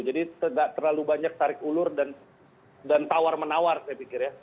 jadi tidak terlalu banyak tarik ulur dan tawar menawar saya pikir ya